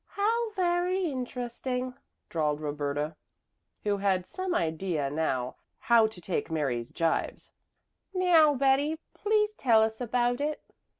"How very interesting!" drawled Roberta, who had some idea now how to take Mary's jibes. "Now, Betty, please tell us about it."